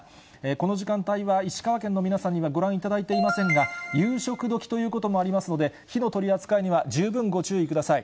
この時間帯は石川県の皆さんにはご覧いただいていませんが、夕食時ということもありますので、火の取り扱いには十分ご注意ください。